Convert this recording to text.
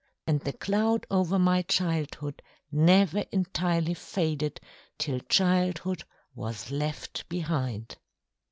And the cloud over my childhood never entirely faded till childhood was left behind.